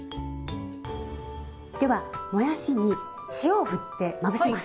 ではもやしに塩をふってまぶします。